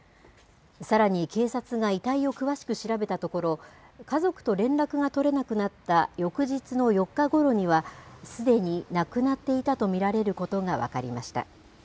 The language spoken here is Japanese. さらに、警察が遺体を詳しく調べたところ、家族と連絡が取れなくなった翌日の４日ごろには、すでに亡くなっていたと見られることが分かりました。